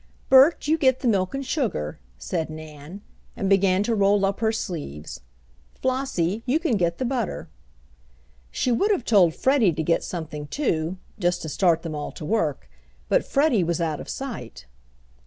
"Bert, you get the milk and sugar," said Nan, and began to roll up her sleeves. "Flossie, you can get the butter." She would have told Freddie to get something, too just to start them all to work but Freddie was out of sight.